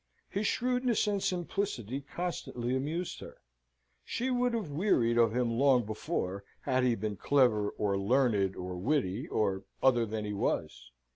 His shrewdness and simplicity constantly amused her; she would have wearied of him long before, had he been clever, or learned, or witty, or other than he was.